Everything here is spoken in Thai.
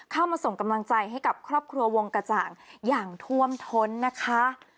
เข้ามาส่งกำลังใจให้กับครอบครัววงกระจ่างอย่างท่วมท้นนะคะ